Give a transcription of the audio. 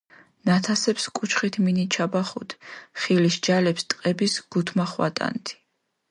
ნათასეფს კუჩხით მინიჩაბახუდჷ, ხილიშ ჯალეფს ტყების გუთმახვატანდჷ.